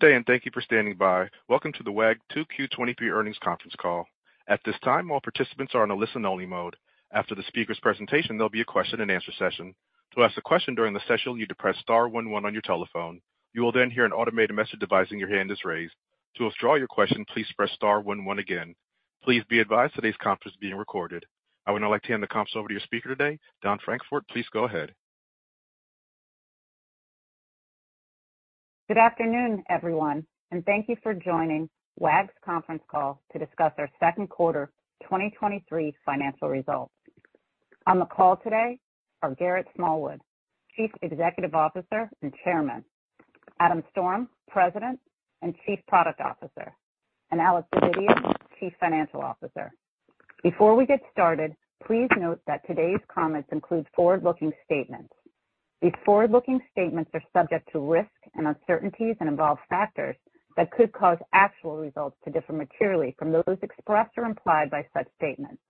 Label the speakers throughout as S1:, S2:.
S1: Good day. Thank you for standing by. Welcome to the Wag! 2Q 2023 earnings conference call. At this time, all participants are on a listen-only mode. After the speaker's presentation, there'll be a question-and-answer session. To ask a question during the session, you need to press star one one on your telephone. You will hear an automated message advising your hand is raised. To withdraw your question, please press star one one again. Please be advised today's conference is being recorded. I would now like to hand the conference over to your speaker today, Dawn Francfort. Please go ahead.
S2: Good afternoon, everyone, and thank you for joining Wag's conference call to discuss our second quarter 2023 financial results. On the call today are Garrett Smallwood, Chief Executive Officer and Chairman, Adam Storm, President and Chief Product Officer, and Alec Davidian, Chief Financial Officer. Before we get started, please note that today's comments include forward-looking statements. These forward-looking statements are subject to risks and uncertainties and involve factors that could cause actual results to differ materially from those expressed or implied by such statements.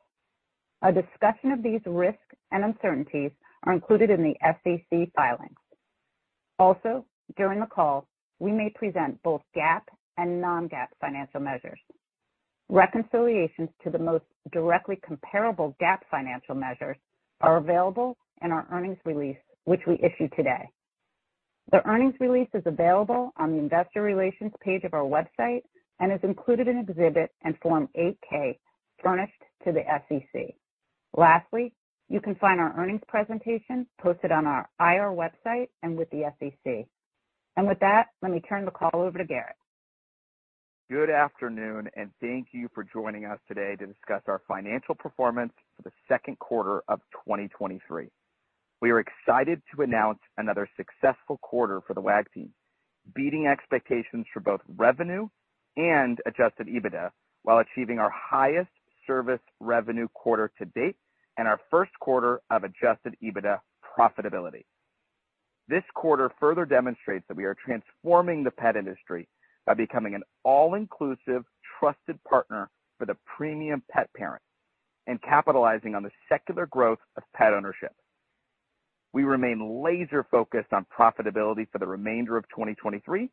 S2: A discussion of these risks and uncertainties are included in the SEC filings. During the call, we may present both GAAP and non-GAAP financial measures. Reconciliations to the most directly comparable GAAP financial measures are available in our earnings release, which we issued today. The earnings release is available on the investor relations page of our website and is included in Exhibit and Form 8-K, furnished to the SEC. Lastly, you can find our earnings presentation posted on our IR website and with the SEC. With that, let me turn the call over to Garrett.
S3: Good afternoon, thank you for joining us today to discuss our financial performance for the second quarter of 2023. We are excited to announce another successful quarter for the Wag! team, beating expectations for both revenue and Adjusted EBITDA, while achieving our highest service revenue quarter to date and our first quarter of Adjusted EBITDA profitability. This quarter further demonstrates that we are transforming the pet industry by becoming an all-inclusive, trusted partner for the premium pet parent and capitalizing on the secular growth of pet ownership. We remain laser-focused on profitability for the remainder of 2023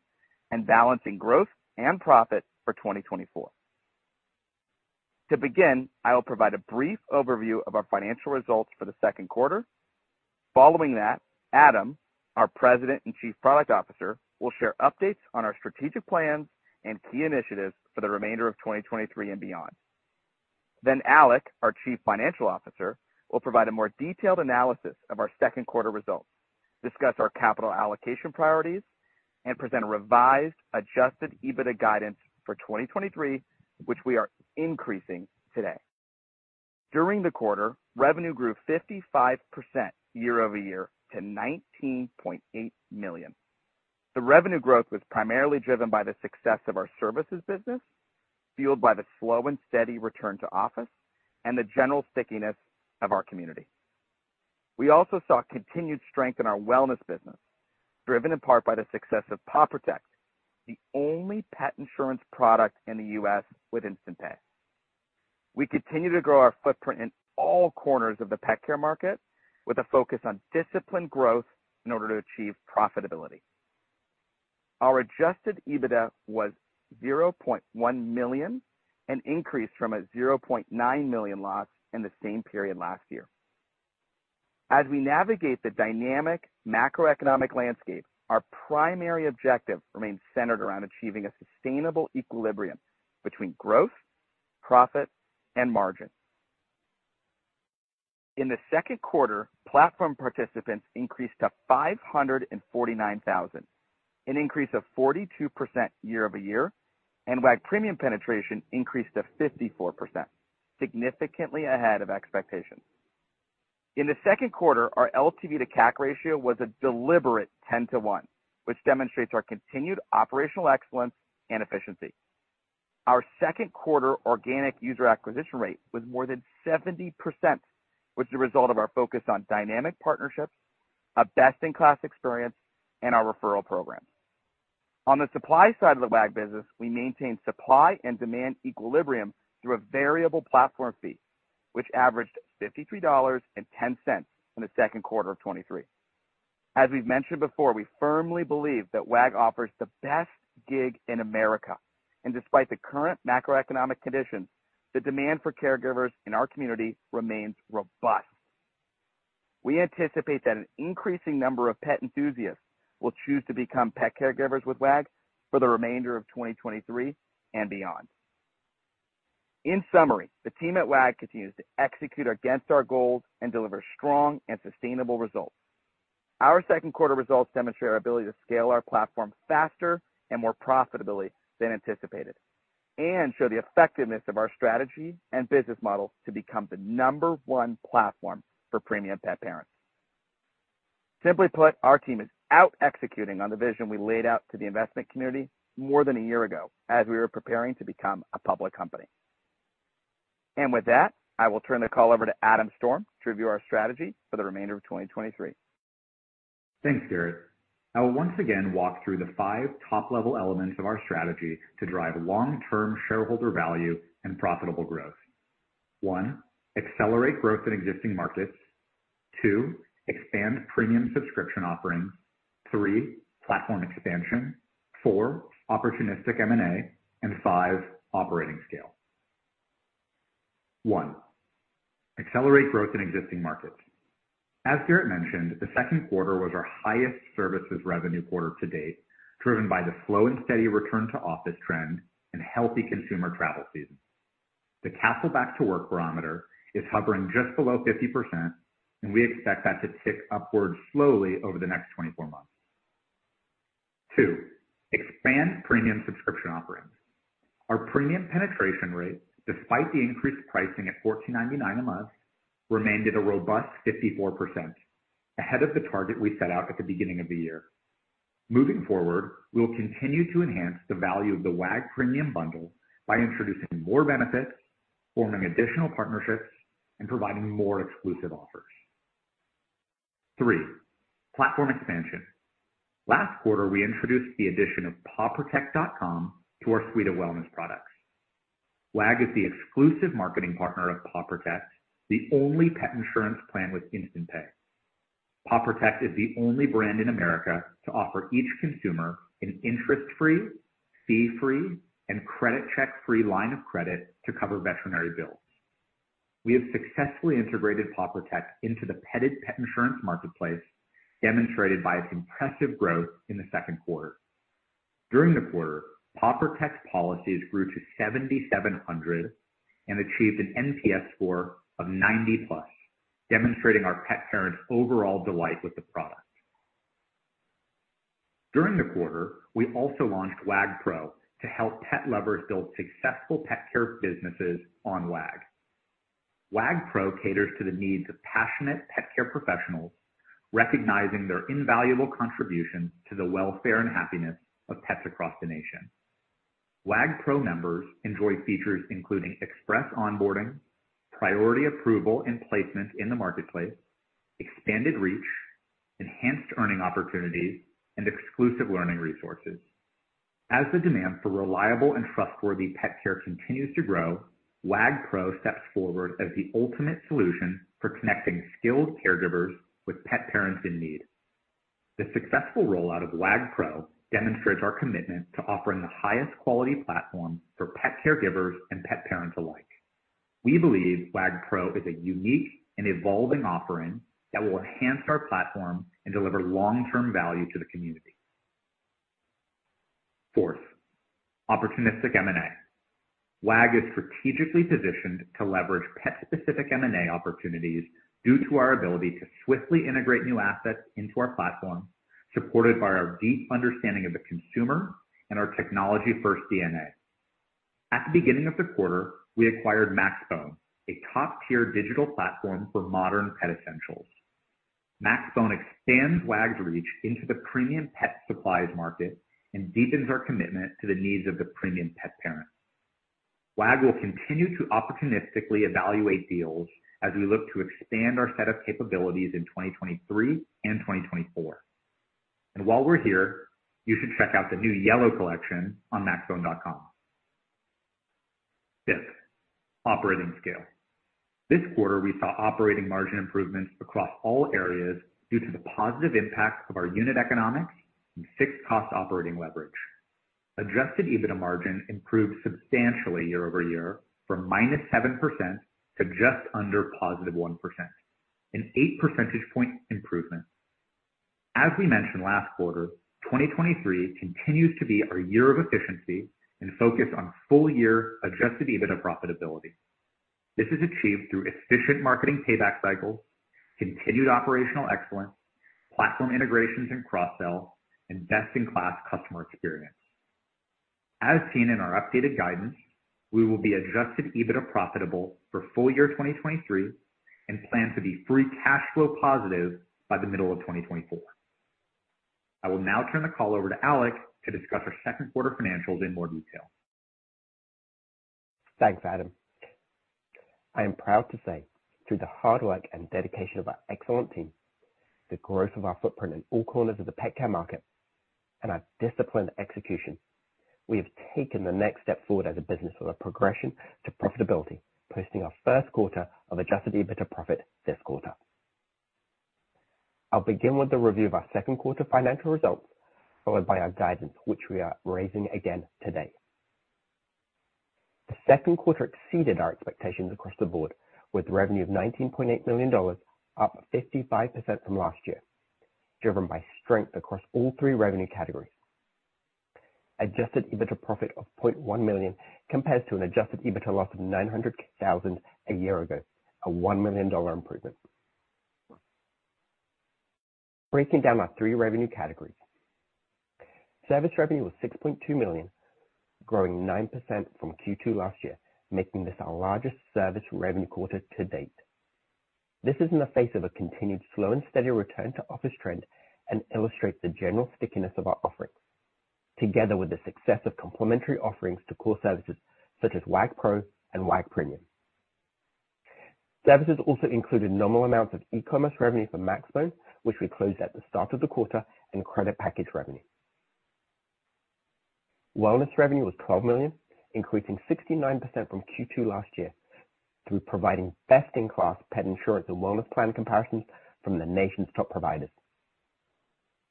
S3: and balancing growth and profit for 2024. To begin, I will provide a brief overview of our financial results for the second quarter. Following that, Adam, our President and Chief Product Officer, will share updates on our strategic plans and key initiatives for the remainder of 2023 and beyond. Alec, our Chief Financial Officer, will provide a more detailed analysis of our second quarter results, discuss our capital allocation priorities, and present a revised Adjusted EBITDA guidance for 2023, which we are increasing today. During the quarter, revenue grew 55% year-over-year to $19.8 million. The revenue growth was primarily driven by the success of our services business, fueled by the slow and steady return to office and the general stickiness of our community. We also saw continued strength in our wellness business, driven in part by the success of Paw Protect, the only pet insurance product in the U.S. with Instant Pay. We continue to grow our footprint in all corners of the pet care market with a focus on disciplined growth in order to achieve profitability. Our Adjusted EBITDA was $0.1 million, an increase from a $0.9 million loss in the same period last year. As we navigate the dynamic macroeconomic landscape, our primary objective remains centered around achieving a sustainable equilibrium between growth, profit, and margin. In the second quarter, platform participants increased to 549,000, an increase of 42% year-over-year, and Wag! Premium penetration increased to 54%, significantly ahead of expectations. In the second quarter, our LTV:CAC ratio was a deliberate 10:1, which demonstrates our continued operational excellence and efficiency. Our second quarter organic user acquisition rate was more than 70%, which is a result of our focus on dynamic partnerships, a best-in-class experience, and our referral program. On the supply side of the Wag! business, we maintain supply and demand equilibrium through a variable platform fee, which averaged $53.10 in the second quarter of 2023. As we've mentioned before, we firmly believe that Wag! offers the best gig in America, and despite the current macroeconomic conditions, the demand for caregivers in our community remains robust. We anticipate that an increasing number of pet enthusiasts will choose to become pet caregivers with Wag! for the remainder of 2023 and beyond. In summary, the team at Wag! continues to execute against our goals and deliver strong and sustainable results. Our second quarter results demonstrate our ability to scale our platform faster and more profitably than anticipated and show the effectiveness of our strategy and business model to become the number one platform for premium pet parents. Simply put, our team is out-executing on the vision we laid out to the investment community more than a year ago as we were preparing to become a public company. With that, I will turn the call over to Adam Storm to review our strategy for the remainder of 2023.
S4: Thanks, Garrett. I will once again walk through the 5 top-level elements of our strategy to drive long-term shareholder value and profitable growth. One, accelerate growth in existing markets.... Two, expand premium subscription offerings. Three, platform expansion. Four, opportunistic M&A, and five, operating scale. One, accelerate growth in existing markets. As Garrett mentioned, the second quarter was our highest services revenue quarter to date, driven by the slow and steady return to office trend and healthy consumer travel season. The Kastle Back to Work Barometer is hovering just below 50%, and we expect that to tick upwards slowly over the next 24 months. Two, expand premium subscription offerings. Our premium penetration rate, despite the increased pricing at $49 a month, remained at a robust 54%, ahead of the target we set out at the beginning of the year. Moving forward, we will continue to enhance the value of the Wag! Premium bundle by introducing more benefits, forming additional partnerships, and providing more exclusive offers. Three, platform expansion. Last quarter, we introduced the addition of PawProtect.com to our suite of wellness products. Wag is the exclusive marketing partner of Paw Protect, the only pet insurance plan with instant pay. Paw Protect is the only brand in America to offer each consumer an interest-free, fee-free, and credit check-free line of credit to cover veterinary bills. We have successfully integrated Paw Protect into the Petted pet insurance marketplace, demonstrated by its impressive growth in the second quarter. During the quarter, Paw Protect policies grew to 7,700 and achieved an NPS score of 90+, demonstrating our pet parents' overall delight with the product. During the quarter, we also launched Wag! Pro to help pet lovers build successful pet care businesses on Wag. Wag! Pro caters to the needs of passionate pet care professionals, recognizing their invaluable contribution to the welfare and happiness of pets across the nation. Wag Pro members enjoy features including express onboarding, priority approval and placement in the marketplace, expanded reach, enhanced earning opportunities, and exclusive learning resources. As the demand for reliable and trustworthy pet care continues to grow, Wag Pro steps forward as the ultimate solution for connecting skilled caregivers with pet parents in need. The successful rollout of Wag Pro demonstrates our commitment to offering the highest quality platform for pet caregivers and pet parents alike. We believe Wag Pro is a unique and evolving offering that will enhance our platform and deliver long-term value to the community. Fourth, opportunistic M&A. Wag is strategically positioned to leverage pet-specific M&A opportunities due to our ability to swiftly integrate new assets into our platform, supported by our deep understanding of the consumer and our technology-first DNA. At the beginning of the quarter, we acquired maxbone, a top-tier digital platform for modern pet essentials. Maxbone expands Wag!'s reach into the premium pet supplies market and deepens our commitment to the needs of the premium pet parent. Wag! will continue to opportunistically evaluate deals as we look to expand our set of capabilities in 2023 and 2024. While we're here, you should check out the new Yellow collection on maxbone.com. Fifth, operating scale. This quarter, we saw operating margin improvements across all areas due to the positive impact of our unit economics and fixed cost operating leverage. Adjusted EBITDA margin improved substantially year-over-year, from minus 7% to just under positive 1%, an eight percentage point improvement. As we mentioned last quarter, 2023 continues to be our year of efficiency and focus on full-year Adjusted EBITDA profitability. This is achieved through efficient marketing payback cycles, continued operational excellence, platform integrations and cross-sell, and best-in-class customer experience. As seen in our updated guidance, we will be Adjusted EBITDA profitable for full year 2023, and plan to be free cash flow positive by the middle of 2024. I will now turn the call over to Alex to discuss our second quarter financials in more detail.
S5: Thanks, Adam. I am proud to say, through the hard work and dedication of our excellent team, the growth of our footprint in all corners of the pet care market and our disciplined execution, we have taken the next step forward as a business on a progression to profitability, posting our first quarter of Adjusted EBITDA profit this quarter. I'll begin with the review of our second quarter financial results, followed by our guidance, which we are raising again today. The second quarter exceeded our expectations across the board, with revenue of $19.8 million, up 55% from last year, driven by strength across all three revenue categories. Adjusted EBITDA profit of $0.1 million, compares to an Adjusted EBITDA loss of $900,000 a year ago, a $1 million improvement. Breaking down our three revenue categories. Service revenue was $6.2 million, growing 9% from Q2 last year, making this our largest service revenue quarter to date. This is in the face of a continued slow and steady return to office trend and illustrates the general stickiness of our offerings, together with the success of complementary offerings to core services such as Wag! Pro and Wag! Premium. Services also included nominal amounts of e-commerce revenue for maxbone, which we closed at the start of the quarter, and credit package revenue. Wellness revenue was $12 million, increasing 69% from Q2 last year, through providing best-in-class pet insurance and wellness plan comparisons from the nation's top providers.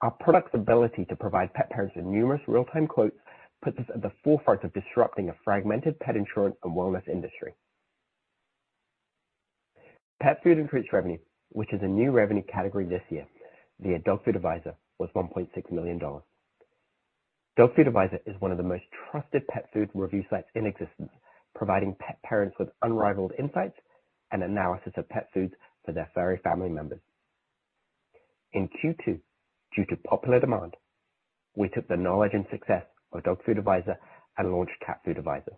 S5: Our product's ability to provide pet parents with numerous real-time quotes, puts us at the forefront of disrupting a fragmented pet insurance and wellness industry. Pet food and treats revenue, which is a new revenue category this year, via Dog Food Advisor, was $1.6 million. Dog Food Advisor is one of the most trusted pet food review sites in existence, providing pet parents with unrivaled insights and analysis of pet foods for their furry family members. In Q2, due to popular demand, we took the knowledge and success of Dog Food Advisor and launched Cat Food Advisor,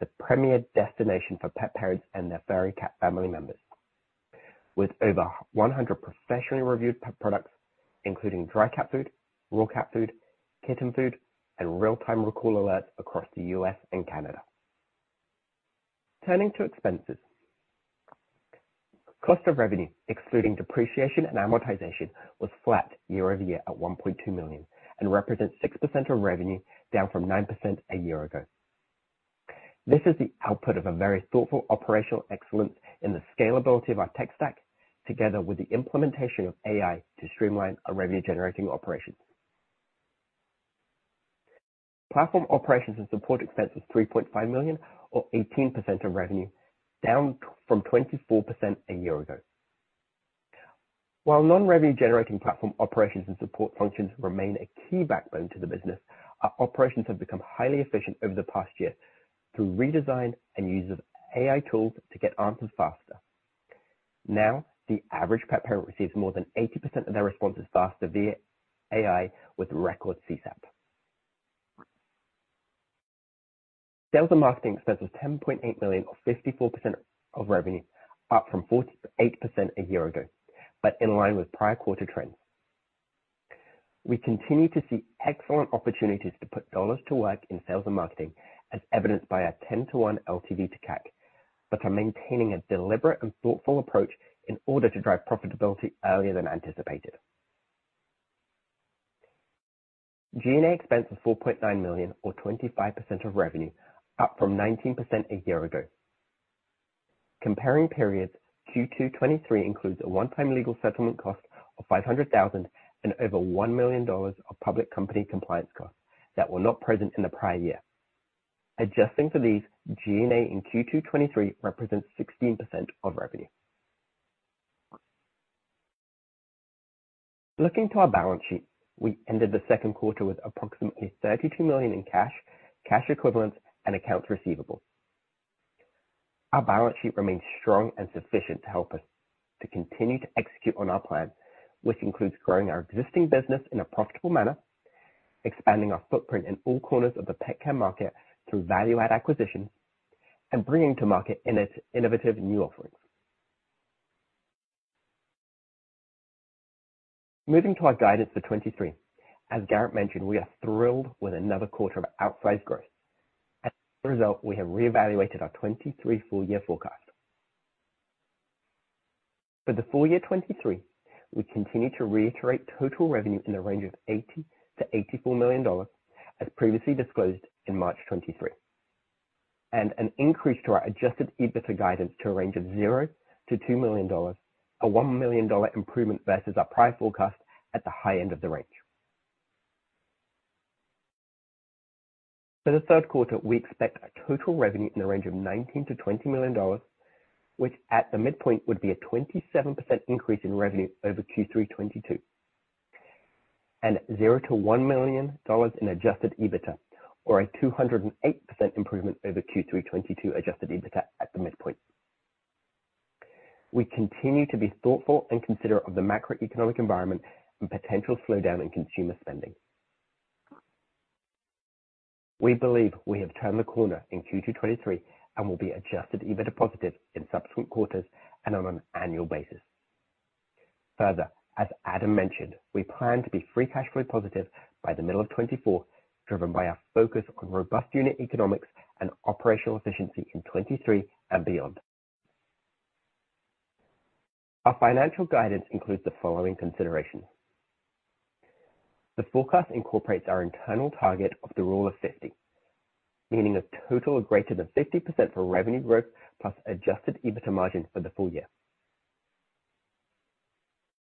S5: the premier destination for pet parents and their furry cat family members. With over 100 professionally reviewed pet products, including dry cat food, raw cat food, kitten food, and real-time recall alerts across the U.S. and Canada. Turning to expenses, cost of revenue, excluding depreciation and amortization, was flat year-over-year at $1.2 million, and represents 6% of revenue, down from 9% a year ago. This is the output of a very thoughtful operational excellence in the scalability of our tech stack, together with the implementation of AI to streamline our revenue-generating operations. Platform operations and support expense was $3.5 million or 18% of revenue, down from 24% a year ago. Non-revenue generating platform operations and support functions remain a key backbone to the business, our operations have become highly efficient over the past year through redesign and use of AI tools to get answers faster. Now, the average pet parent receives more than 80% of their responses faster via AI, with record CSAT. Sales and marketing expense was $10.8 million, or 54% of revenue, up from 48% a year ago, in line with prior quarter trends. We continue to see excellent opportunities to put dollars to work in sales and marketing, as evidenced by our 10:1 LTV:CAC, but are maintaining a deliberate and thoughtful approach in order to drive profitability earlier than anticipated. G&A expense was $4.9 million, or 25% of revenue, up from 19% a year ago. Comparing periods, Q2 2023 includes a one-time legal settlement cost of $500,000 and over $1 million of public company compliance costs that were not present in the prior year. Adjusting for these, G&A in Q2 2023 represents 16% of revenue. Looking to our balance sheet, we ended the second quarter with approximately $32 million in cash, cash equivalents, and accounts receivable. Our balance sheet remains strong and sufficient to help us to continue to execute on our plan, which includes growing our existing business in a profitable manner, expanding our footprint in all corners of the pet care market through value-add acquisitions, and bringing to market innovative new offerings. Moving to our guidance for 2023. As Garrett mentioned, we are thrilled with another quarter of outsized growth. As a result, we have reevaluated our 2023 full year forecast. For the full year 2023, we continue to reiterate total revenue in the range of $80 million-$84 million, as previously disclosed in March 2023, and an increase to our Adjusted EBITDA guidance to a range of $0-$2 million, a $1 million improvement versus our prior forecast at the high end of the range. For the third quarter, we expect a total revenue in the range of $19 million-$20 million, which at the midpoint would be a 27% increase in revenue over Q3 2022, and $0-$1 million in Adjusted EBITDA, or a 208% improvement over Q3 2022 Adjusted EBITDA at the midpoint. We continue to be thoughtful and considerate of the macroeconomic environment and potential slowdown in consumer spending. We believe we have turned the corner in Q2 2023 and will be Adjusted EBITDA positive in subsequent quarters and on an annual basis. Further, as Adam mentioned, we plan to be free cash flow positive by the middle of 2024, driven by our focus on robust unit economics and operational efficiency in 2023 and beyond. Our financial guidance includes the following considerations: The forecast incorporates our internal target of the Rule of 50, meaning a total of greater than 50% for revenue growth plus Adjusted EBITDA margin for the full year.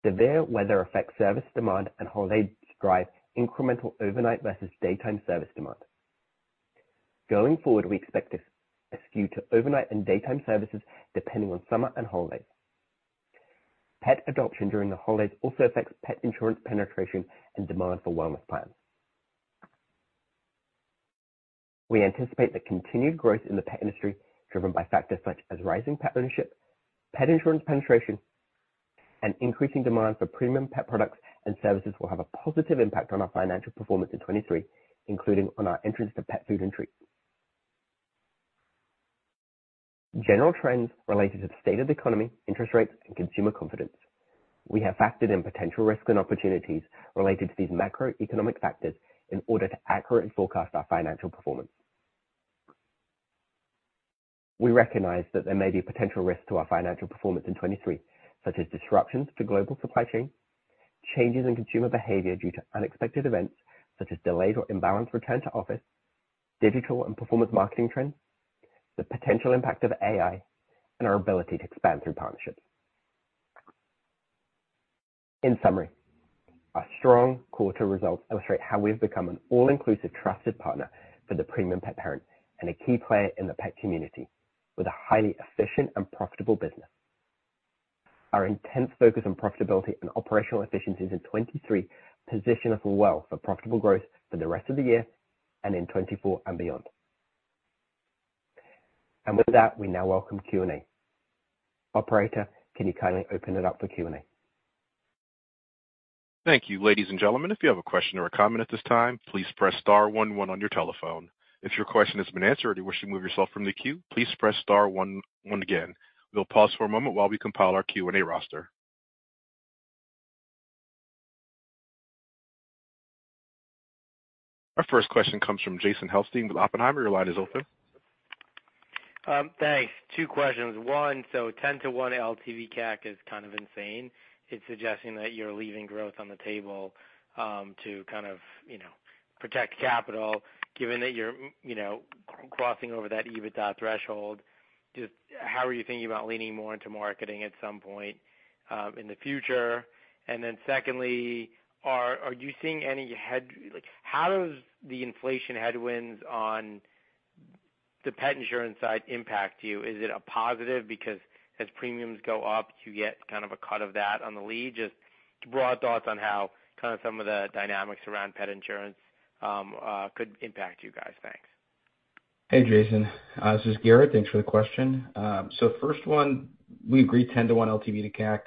S5: Severe weather affects service demand and holidays drive incremental overnight versus daytime service demand. Going forward, we expect a skew to overnight and daytime services depending on summer and holidays. Pet adoption during the holidays also affects pet insurance penetration and demand for wellness plans. We anticipate the continued growth in the pet industry, driven by factors such as rising pet ownership, pet insurance penetration, and increasing demand for premium pet products and services will have a positive impact on our financial performance in 2023, including on our entrance to pet food and treats. General trends related to the state of the economy, interest rates, and consumer confidence. We have factored in potential risks and opportunities related to these macroeconomic factors in order to accurately forecast our financial performance. We recognize that there may be a potential risk to our financial performance in 2023, such as disruptions to global supply chain, changes in consumer behavior due to unexpected events such as delays or imbalanced return to office, digital and performance marketing trends, the potential impact of AI, and our ability to expand through partnerships. In summary, our strong quarter results illustrate how we've become an all-inclusive, trusted partner for the premium pet parent and a key player in the pet community, with a highly efficient and profitable business. Our intense focus on profitability and operational efficiencies in 2023 position us well for profitable growth for the rest of the year and in 2024 and beyond. With that, we now welcome Q&A. Operator, can you kindly open it up for Q&A?
S1: Thank you. Ladies and gentlemen, if you have a question or a comment at this time, please press star one one on your telephone. If your question has been answered or you wish to remove yourself from the queue, please press star one one again. We'll pause for a moment while we compile our Q&A roster. Our first question comes from Jason Helfstein with Oppenheimer. Your line is open.
S6: Thanks. Two questions. One, 10 to 1 LTV:CAC is kind of insane. It's suggesting that you're leaving growth on the table, to kind of, you know, protect capital. Given that you're, you know, crossing over that EBITDA threshold, just how are you thinking about leaning more into marketing at some point in the future? Secondly, are, are you seeing any head... How does the inflation headwinds on the pet insurance side impact you? Is it a positive because as premiums go up, you get kind of a cut of that on the lead? Just broad thoughts on how kind of some of the dynamics around pet insurance could impact you guys. Thanks.
S3: Hey, Jason, this is Garrett. Thanks for the question. First one, we agree 10 to 1 LTV:CAC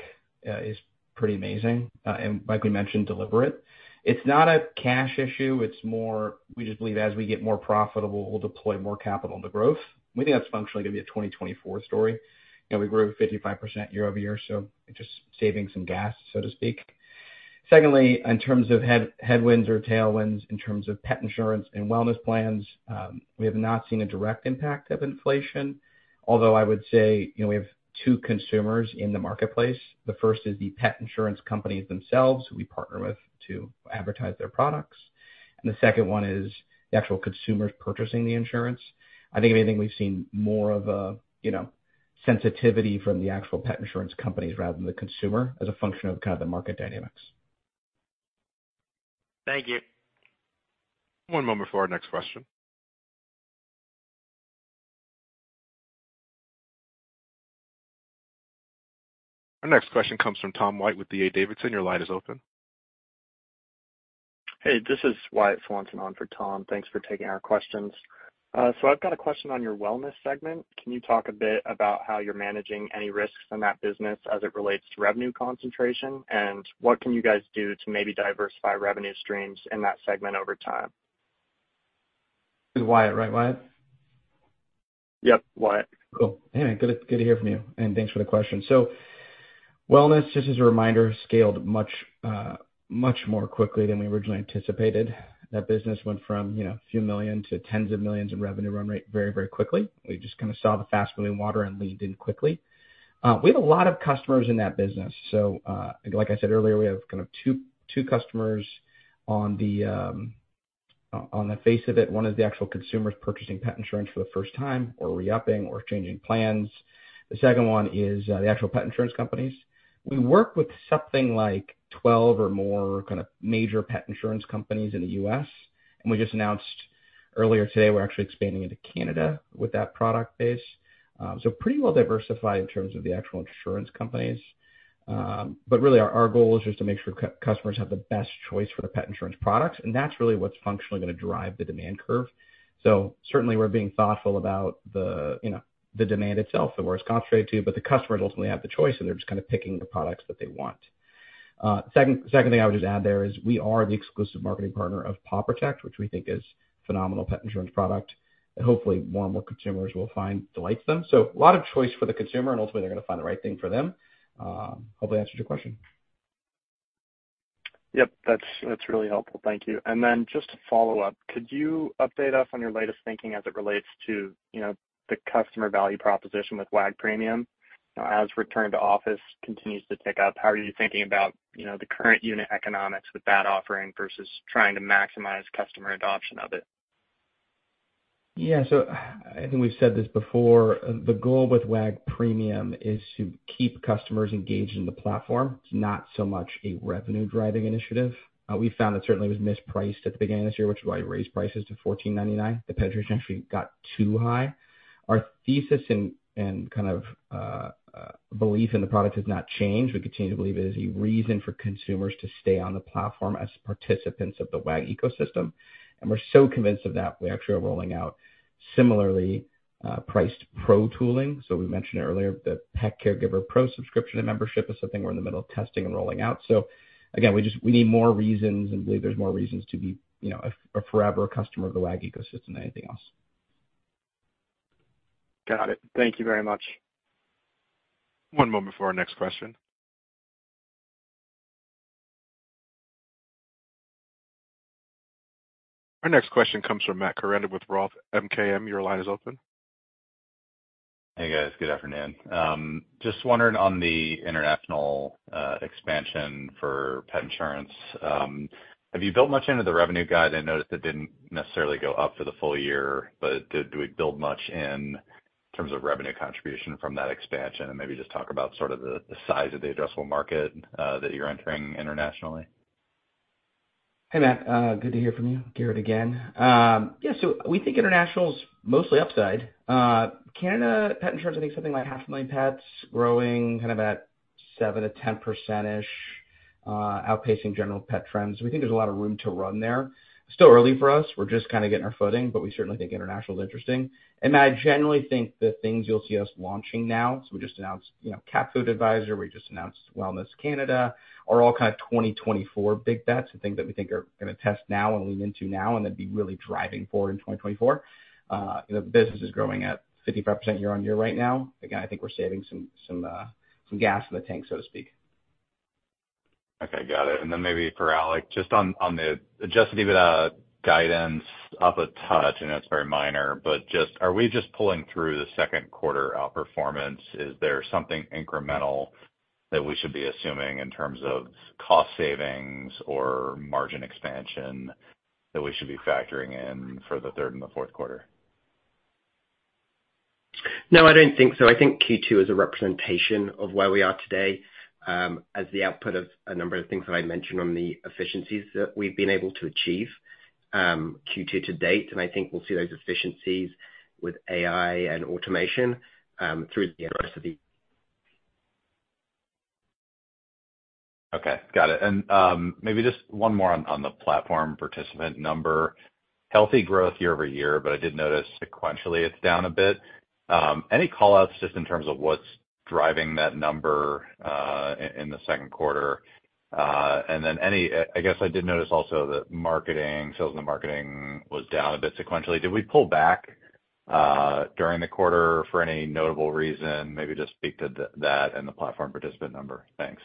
S3: is pretty amazing and like we mentioned, deliberate. It's not a cash issue, it's more we just believe as we get more profitable, we'll deploy more capital into growth. We think that's functionally gonna be a 2024 story. You know, we grew 55% year-over-year, so just saving some gas, so to speak. Secondly, in terms of headwinds or tailwinds, in terms of pet insurance and wellness plans, we have not seen a direct impact of inflation. Although I would say, you know, we have two consumers in the marketplace. The first is the pet insurance companies themselves, who we partner with to advertise their products, and the second one is the actual consumers purchasing the insurance. I think, anything we've seen more of a, you know, sensitivity from the actual pet insurance companies rather than the consumer, as a function of kind of the market dynamics.
S6: Thank you.
S1: One moment before our next question. Our next question comes from Tom White, with D.A. Davidson. Your line is open.
S7: Hey, this is Wyatt Swanson on for Tom. Thanks for taking our questions. I've got a question on your wellness segment. Can you talk a bit about how you're managing any risks in that business as it relates to revenue concentration? What can you guys do to maybe diversify revenue streams in that segment over time?
S3: This is Wyatt. Right, Wyatt?
S7: Yep, Wyatt.
S3: Cool. Hey, good to, good to hear from you, and thanks for the question. Wellness, just as a reminder, scaled much, much more quickly than we originally anticipated. That business went from, you know, a few million to tens of millions in revenue run rate very, very quickly. We just kind of saw the fast-moving water and leaned in quickly. We have a lot of customers in that business. Like I said earlier, we have kind of two customers on the face of it. One is the actual consumers purchasing pet insurance for the first time or re-upping or changing plans. The second one is the actual pet insurance companies. We work with something like 12 or more kind of major pet insurance companies in the U.S., and we just announced earlier today, we're actually expanding into Canada with that product base. Pretty well diversified in terms of the actual insurance companies. Really, our, our goal is just to make sure customers have the best choice for their pet insurance products, and that's really what's functionally gonna drive the demand curve. Certainly we're being thoughtful about the, you know, the demand itself, and where it's concentrated to, but the customers ultimately have the choice, and they're just kind of picking the products that they want. Second, second thing I would just add there is we are the exclusive marketing partner of Paw Protect, which we think is a phenomenal pet insurance product. Hopefully, more and more consumers will find delights them. A lot of choice for the consumer, and ultimately they're gonna find the right thing for them. Hopefully, I answered your question.
S7: Yep, that's, that's really helpful. Thank you. Then just to follow up, could you update us on your latest thinking as it relates to, you know, the customer value proposition with Wag! Premium? As return to office continues to tick up, how are you thinking about, you know, the current unit economics with that offering versus trying to maximize customer adoption of it?
S3: Yeah. I think we've said this before, the goal with Wag! Premium is to keep customers engaged in the platform. It's not so much a revenue-driving initiative. We found it certainly was mispriced at the beginning of this year, which is why we raised prices to $14.99. The penetration actually got too high. Our thesis and, and kind of, belief in the product has not changed. We continue to believe there's a reason for consumers to stay on the platform as participants of the Wag! ecosystem, and we're so convinced of that, we actually are rolling out similarly priced pro tooling. We mentioned earlier, the pet caregiver Pro subscription and membership is something we're in the middle of testing and rolling out. Again, we need more reasons and believe there's more reasons to be, you know, a, a forever customer of the Wag! ecosystem than anything else.
S7: Got it. Thank you very much.
S1: One moment before our next question. Our next question comes from Matt Koranda with Roth MKM. Your line is open.
S8: Hey, guys. Good afternoon. Just wondering on the international expansion for pet insurance, have you built much into the revenue guide? I noticed it didn't necessarily go up for the full year, but did, did we build much in terms of revenue contribution from that expansion? Maybe just talk about sort of the, the size of the addressable market that you're entering internationally?
S3: Hey, Matt, good to hear from you. Garrett again. Yeah, we think international's mostly upside. Canada, pet insurance, I think something like 500,000 pets growing kind of at 7%-10%-ish, outpacing general pet trends. We think there's a lot of room to run there. Still early for us. We're just kind of getting our footing, but we certainly think international is interesting. I generally think the things you'll see us launching now, so we just announced, you know, Cat Food Advisor, we just announced Wellness Canada, are all kind of 2024 big bets and things that we think are gonna test now and lean into now, and then be really driving forward in 2024. You know, the business is growing at 55% year-on-year right now. I think we're saving some, some, some gas in the tank, so to speak.
S8: Okay, got it. Then maybe for Alec, just on, on the... Adjusted EBITDA guidance up a touch, I know it's very minor, but just... Are we just pulling through the second quarter outperformance? Is there something incremental that we should be assuming in terms of cost savings or margin expansion that we should be factoring in for the third and the fourth quarter?
S5: No, I don't think so. I think Q2 is a representation of where we are today, as the output of a number of things that I mentioned on the efficiencies that we've been able to achieve, Q2 to date, and I think we'll see those efficiencies with AI and automation, through the rest of the year.
S8: Okay, got it. Maybe just one more on, on the platform participant number. Healthy growth year-over-year, but I did notice sequentially, it's down a bit. Any callouts just in terms of what's driving that number in the second quarter? I guess I did notice also that marketing, sales and marketing was down a bit sequentially. Did we pull back during the quarter for any notable reason? Maybe just speak to that and the platform participant number. Thanks.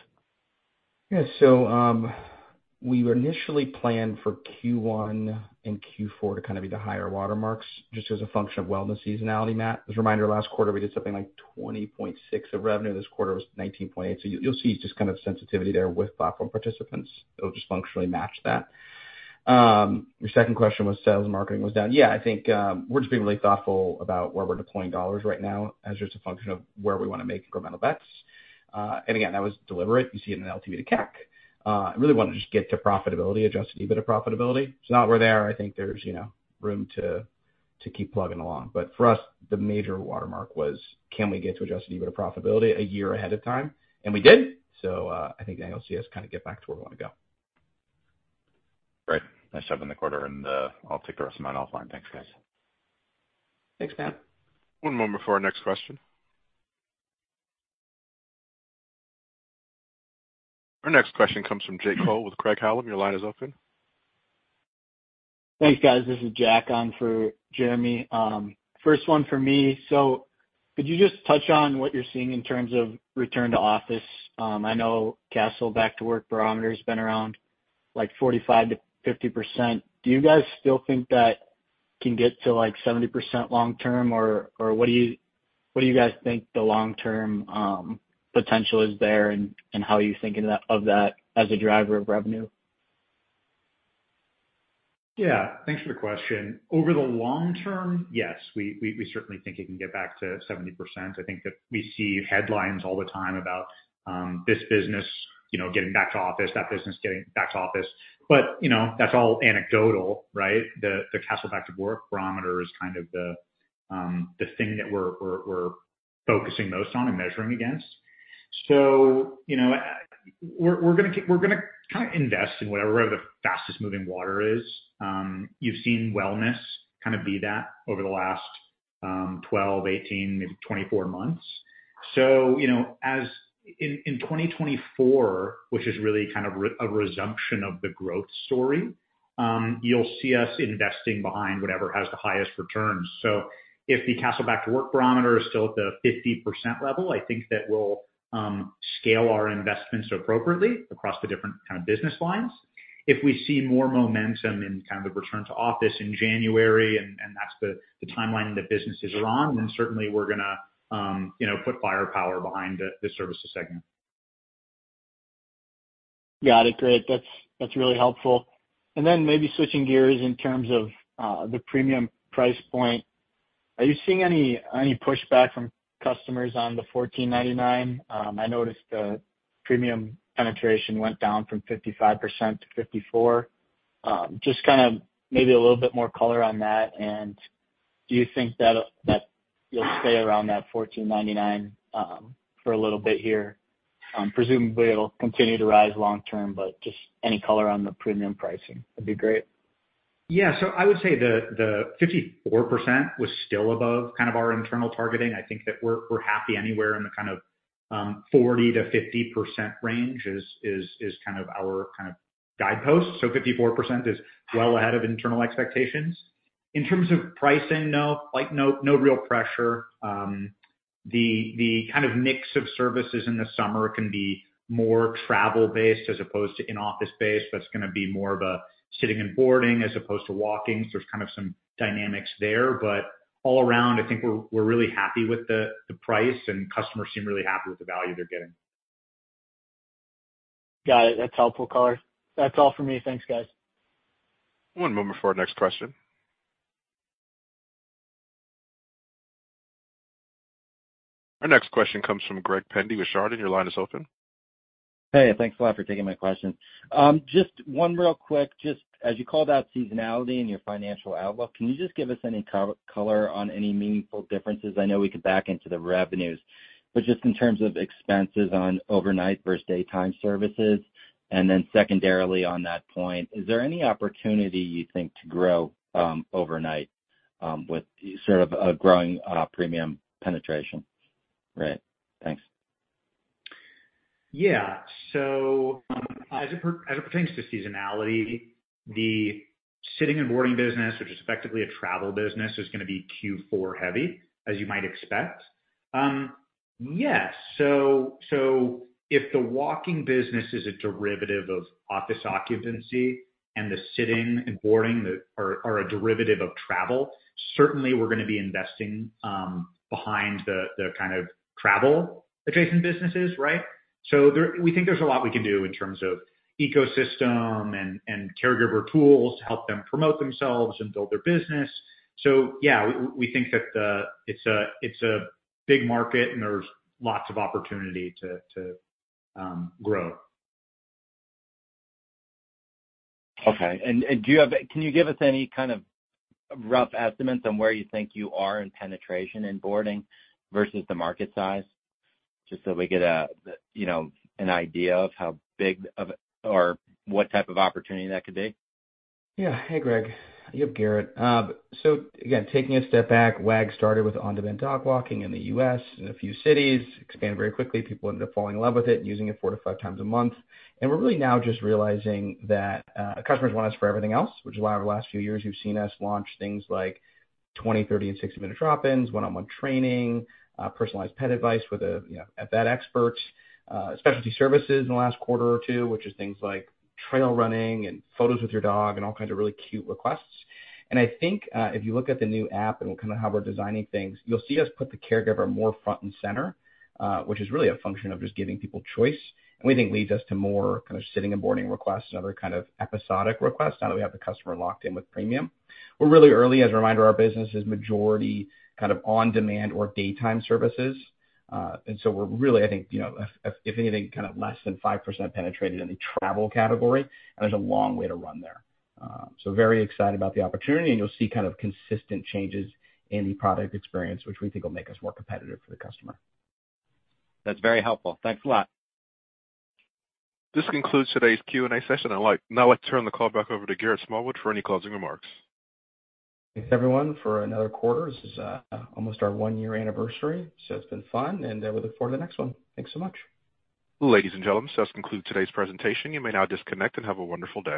S3: We initially planned for Q1 and Q4 to kind of be the higher watermarks, just as a function of wellness seasonality, Matt. As a reminder, last quarter, we did something like $20.6 of revenue. This quarter was $19.8. You'll see just kind of sensitivity there with platform participants. It'll just functionally match that. Your second question was sales and marketing was down. I think, we're just being really thoughtful about where we're deploying dollars right now, as just a function of where we wanna make incremental bets. Again, that was deliberate. You see it in the LTV:CAC. I really want to just get to profitability, Adjusted EBITDA profitability. It's not we're there. I think there's, you know, room to keep plugging along. For us, the major watermark was, can we get to Adjusted EBITDA profitability a year ahead of time? We did. I think now you'll see us kind of get back to where we want to go.
S8: Great. Nice job in the quarter, and, I'll take the rest of mine offline. Thanks, guys.
S3: Thanks, Matt.
S1: One moment before our next question. Our next question comes from Jack Cole with Craig-Hallum. Your line is open.
S9: Thanks, guys. This is Jack on for Jeremy. First one for me. Could you just touch on what you're seeing in terms of return to office? I know Kastle Back to Work Barometer's been around, like, 45%-50%. Do you guys still think that can get to, like, 70% long term? Or, or what do you-- what do you guys think the long-term potential is there, and, and how are you thinking of that as a driver of revenue?
S3: Yeah. Thanks for the question. Over the long term, yes, we, we, we certainly think it can get back to 70%. I think that we see headlines all the time about this business, you know, getting back to office, that business getting back to office, but, you know, that's all anecdotal, right? The, the Kastle Back to Work Barometer is kind of the thing that we're, we're, we're focusing most on and measuring against. You know, we're, we're gonna we're gonna kind of invest in whatever, where the fastest moving water is. You've seen wellness kind of be that over the last 12, 18, maybe 24 months. You know, in 2024, which is really kind of a resumption of the growth story, you'll see us investing behind whatever has the highest returns. If the Kastle Back to Work Barometer is still at the 50% level, I think that we'll scale our investments appropriately across the different kind of business lines. If we see more momentum in kind of the return to office in January, and, and that's the, the timeline that businesses are on, then certainly we're gonna, you know, put firepower behind the, the services segment.
S9: Got it. Great. That's, that's really helpful. Then maybe switching gears in terms of the premium price point. Are you seeing any, any pushback from customers on the $14.99? I noticed the premium penetration went down from 55% to 54%. Just kind of maybe a little bit more color on that. Do you think that'll, that you'll stay around that $14.99 for a little bit here? Presumably, it'll continue to rise long term, but just any color on the premium pricing would be great.
S3: Yeah, so I would say the, the 54% was still above kind of our internal targeting. I think that we're, we're happy anywhere in the kind of, 40%-50% range is, is, is kind of our kind of guidepost. So 54% is well ahead of internal expectations. In terms of pricing, no, no real pressure. The, the kind of mix of services in the summer can be more travel-based as opposed to in-office-based. That's gonna be more of a sitting and boarding as opposed to walking. So there's kind of some dynamics there, but all around, I think we're, we're really happy with the, the price, and customers seem really happy with the value they're getting.
S9: Got it. That's helpful color. That's all for me. Thanks, guys.
S1: One moment before our next question. Our next question comes from Greg Pendy with Chardan. Your line is open.
S10: Hey, thanks a lot for taking my question. Just one real quick. Just as you called out seasonality in your financial outlook, can you just give us any co-color on any meaningful differences? I know we could back into the revenues, but just in terms of expenses on overnight versus daytime services. Secondarily, on that point, is there any opportunity you think, to grow, overnight, with sort of a growing, Premium penetration, right? Thanks.
S3: Yeah. As it pertains to seasonality, the sitting and boarding business, which is effectively a travel business, is gonna be Q4 heavy, as you might expect. Yes, if the walking business is a derivative of office occupancy and the sitting and boarding are a derivative of travel, certainly we're gonna be investing behind the kind of travel adjacent businesses, right? There, we think there's a lot we can do in terms of ecosystem and caregiver tools to help them promote themselves and build their business. Yeah, we think that it's a big market, and there's lots of opportunity to grow.
S10: Okay. And do you have-- Can you give us any kind of rough estimates on where you think you are in penetration in boarding versus the market size? Just so we get a, you know, an idea of how big of, or what type of opportunity that could be.
S3: Yeah. Hey, Greg, you have Garrett. Again, taking a step back, Wag! started with on-demand dog walking in the U.S., in a few cities. Expanded very quickly. People ended up falling in love with it, using 4 to 5x a month. We're really now just realizing that customers want us for everything else, which is why over the last few years, you've seen us launch things like 20, 30, and 60-minute drop-ins, one-on-one training, personalized pet advice with a, you know, a vet expert, specialty services in the last quarter or two, which is things like trail running and photos with your dog and all kinds of really cute requests. I think, if you look at the new app and kind of how we're designing things, you'll see us put the caregiver more front and center, which is really a function of just giving people choice, and we think leads us to more kind of sitting and boarding requests and other kind of episodic requests, now that we have the customer locked in with Premium. We're really early. As a reminder, our business is majority kind of on demand or daytime services. We're really, I think, you know, if, if anything, kind of less than 5% penetrated in the travel category, and there's a long way to run there. Very excited about the opportunity, and you'll see kind of consistent changes in the product experience, which we think will make us more competitive for the customer.
S10: That's very helpful. Thanks a lot.
S1: This concludes today's Q&A session. Now, I'd like to turn the call back over to Garrett Smallwood for any closing remarks.
S3: Thanks, everyone, for another quarter. This is almost our one-year anniversary, so it's been fun, and we look forward to the next one. Thanks so much.
S1: Ladies and gentlemen, this concludes today's presentation. You may now disconnect and have a wonderful day.